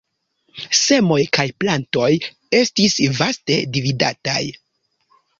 Semoj kaj plantoj estis vaste dividataj.